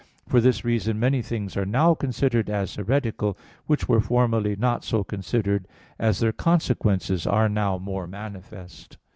For this reason many things are now considered as heretical which were formerly not so considered, as their consequences are now more manifest.